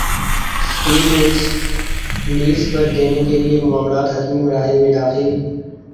steel mills lease پر دینے کیلئے معاملات حتمی مراحل میں داخل